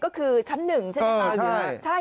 ก็คือชั้นหนึ่งใช่ไหมใช่